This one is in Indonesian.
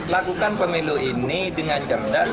lakukan pemilu ini dengan cerdas